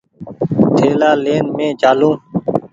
ٿيلآ لين مينٚ چآلون